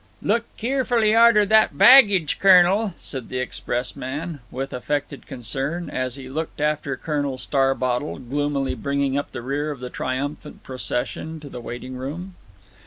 "Look keerfully arter that baggage, Kernel," said the expressman, with affected concern, as he looked after Colonel Starbottle, gloomily bringing up the rear of the triumphant procession to the waiting room.